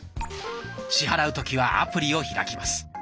支払う時はアプリを開きます。